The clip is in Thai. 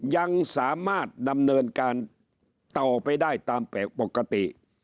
ยังสามารถดำเนินการต่อไปได้ตามแปลกปกติ